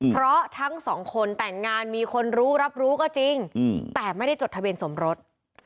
เพราะทั้งสองคนแต่งงานมีคนรู้รับรู้ก็จริงแต่ไม่ได้จดทะเบียนสมรส